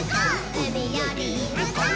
うみよりむこう！？」